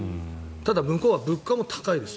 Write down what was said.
ただ、向こうは物価も高いです。